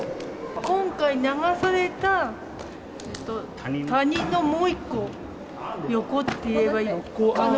今回流された谷のもう一個、横って言えばいいの？